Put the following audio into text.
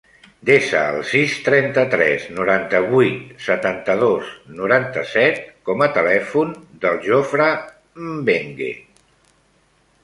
Desa el sis, trenta-tres, noranta-vuit, setanta-dos, noranta-set com a telèfon del Jofre Mbengue.